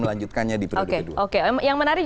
melanjutkannya di periode kedua oke yang menarik